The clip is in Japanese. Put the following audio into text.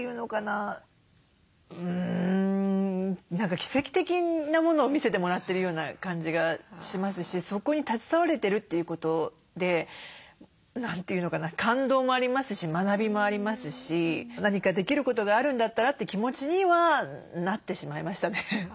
うん何か奇跡的なものを見せてもらってるような感じがしますしそこに携われてるということで感動もありますし学びもありますし何かできることがあるんだったらって気持ちにはなってしまいましたね。